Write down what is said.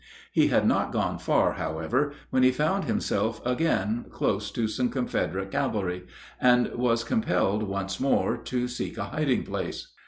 He had not gone far, however, when he found himself again close to some Confederate cavalry, and was compelled once more to seek a hiding place.